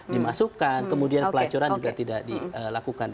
dimasukkan kemudian pelacuran juga tidak dilakukan